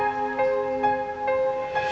terus semakin sedikit